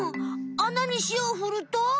あなにしおをふると？